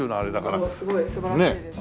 すごい。素晴らしいです。